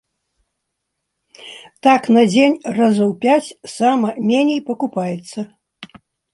Так на дзень разоў пяць сама меней пакупаецца.